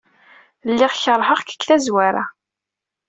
Lliɣ keṛheɣ-k deg tazwara.